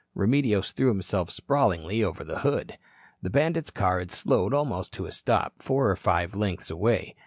Remedios threw himself sprawlingly over the hood. The bandits' car had slowed almost to a stop, four or five lengths away.